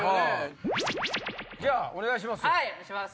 じゃあお願いします。